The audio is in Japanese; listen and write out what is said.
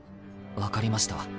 分かりました。